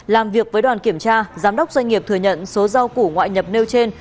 làm việc với đoàn kiểm tra giám đốc doanh nghiệp thừa nhận số rau củ ngoại nhập nêu trên